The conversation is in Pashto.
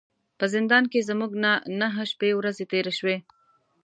په زندان کې زموږ نه نهه شپې ورځې تیرې شوې.